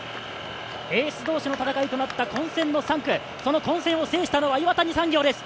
エース同士の戦いとなった混戦の３区、その混戦を制したのは岩谷産業です。